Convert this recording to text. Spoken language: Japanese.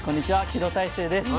木戸大聖です。